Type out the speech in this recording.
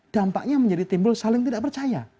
dampaknya menjadi timbul saling tidak percaya